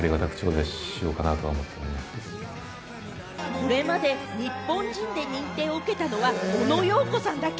これまで日本人で認定を受けたのはオノ・ヨーコさんだけ。